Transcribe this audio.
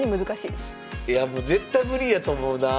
いやもう絶対無理やと思うな。